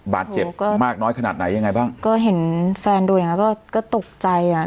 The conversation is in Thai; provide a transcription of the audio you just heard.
บาดเจ็บก็มากน้อยขนาดไหนยังไงบ้างก็เห็นแฟนดูอย่างเงี้ก็ก็ตกใจอ่ะ